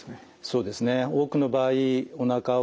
そうですね。